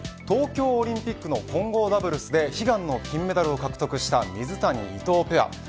東京オリンピックの混合ダブルスで悲願の金メダルを獲得した水谷、伊藤ペア。